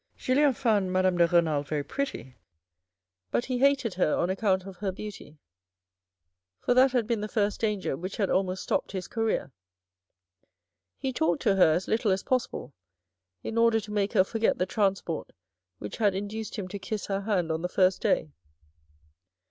Julien found Madame de Renal very pretty, but he hated her on account of her beauty, for that had been the first danger which had almost stopped his career. He talked to her as little as possible, in order to make her forget the transport which had induced him to kiss her hand on the first day.